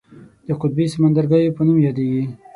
د قطبي سمندرګیو په نوم یادیږي.